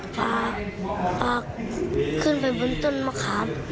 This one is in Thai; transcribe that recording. พี่พระมันก็ปลูกตีครับ